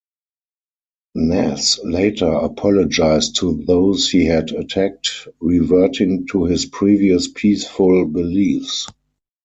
Nas later apologized to those he had attacked, reverting to his previous peaceful beliefs.